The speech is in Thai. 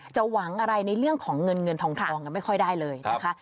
หวังอะไรในเรื่องของเงินเงินทองกันไม่ค่อยได้เลยนะคะ